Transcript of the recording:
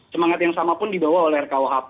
semangat yang sama pun dibawa oleh rkuhp